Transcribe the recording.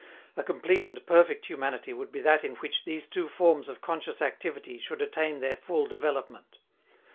A complete and perfect humanity would be that in which these two forms of conscious activity should attain their full development.